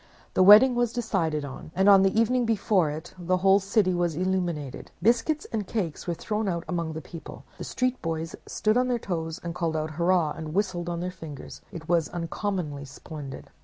The wedding was decided on, and on the evening before it the whole city was illuminated. Biscuits and cakes were thrown among the people, the street boys stood on their toes, called out "Hurrah!" and whistled on their fingers. It was uncommonly splendid.